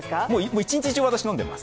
一日中、私飲んでいます。